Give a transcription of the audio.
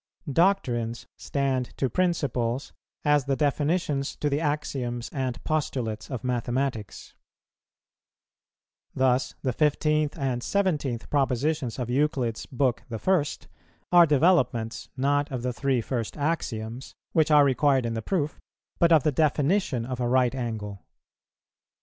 Doctrines stand to principles, as the definitions to the axioms and postulates of mathematics. Thus the 15th and 17th propositions of Euclid's book I. are developments, not of the three first axioms, which are required in the proof, but of the definition of a right angle.